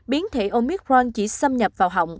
biến thể omicron chỉ xâm nhập vào hỏng